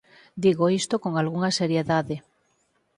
Digo isto con algunha seriedade.